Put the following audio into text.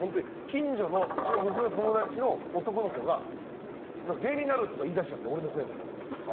近所のうちの娘の友達の男の子が芸人になる！とか言い出しちゃって俺のせいで。